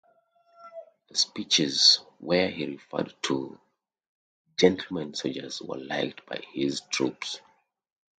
The speeches where he referred to "gentlemen soldiers" were liked by his troops.